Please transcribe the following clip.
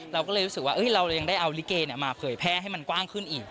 เราก็เลยรู้สึกว่าเรายังได้เอาลิเกมาเผยแพร่ให้มันกว้างขึ้นอีก